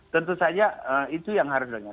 tentu saja itu yang harus didengar